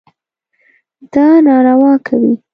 دا ناروا کوي.